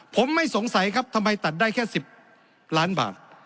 ผมไม่สงสัยครับทำไมตัดได้แค่๑๐ล้านบาท